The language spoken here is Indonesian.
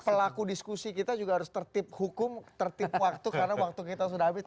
pelaku diskusi kita juga harus tertip hukum tertip waktu karena waktu kita sudah habis